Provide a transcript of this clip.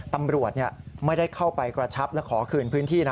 ตำรวจไม่ได้เข้าไปกระชับและขอคืนพื้นที่นะ